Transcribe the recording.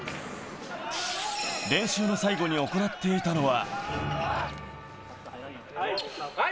練習の最後に行っていたのは。